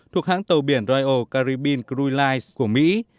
thuộc hãng tàu biển royal caribbean cruise lines của mỹ